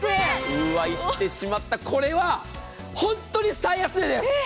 うわいってしまった、これは本当に最安値です。